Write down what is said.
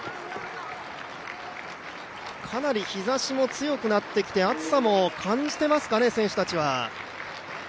かなり日ざしも強くなってきて、暑さも感じてますかね、選手たちは。